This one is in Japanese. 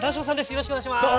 よろしくお願いします！